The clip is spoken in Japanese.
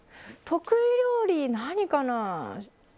得意料理、何かな。